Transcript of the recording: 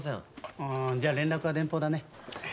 うんじゃあ連絡は電報だね。